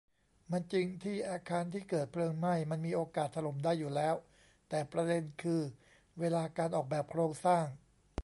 มันจริงที่อาคารที่เกิดเพลิงไหม้มันมีโอกาสถล่มได้อยู่แล้ว แต่ประเด็นคือเวลาการออกแบบโครงสร้าง